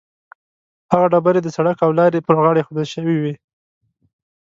هغه ډبرې د سړک او لارې پر غاړه ایښودل شوې وي.